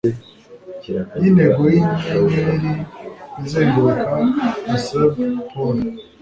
yintego yinyenyeri izenguruka acerb pole